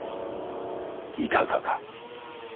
いかがか。